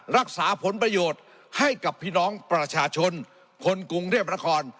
รักษาผลประโยชน์ให้กับพี่น้องประชาชนคนกรุงเทพนคร